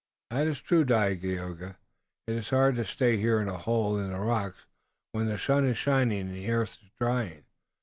"That is true, Dagaeoga. It is hard to stay here in a hole in the rocks, when the sun is shining and the earth is drying.